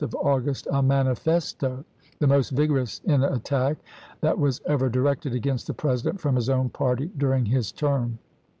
v. of August, a manifesto, the most vigorous in attack that was ever directed against the President from his own party during his term.